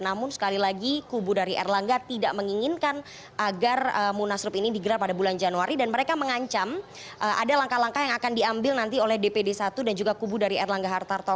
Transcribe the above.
namun sekali lagi kubu dari erlangga tidak menginginkan agar munaslup ini digelar pada bulan januari dan mereka mengancam ada langkah langkah yang akan diambil nanti oleh dpd satu dan juga kubu dari erlangga hartarto